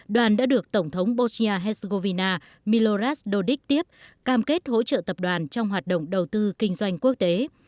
đoàn đã được tổng thống bosnia herzegovina milorad dodik tiếp cam kết hỗ trợ tập đoàn trong hoạt động đầu tư kinh doanh quốc tế